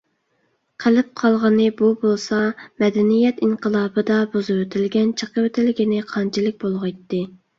قېلىپ قالغىنى بۇ بولسا، «مەدەنىيەت ئىنقىلابى»دا بۇزۇۋېتىلگەن، چېقىۋېتىلگىنى قانچىلىك بولغىيتتى؟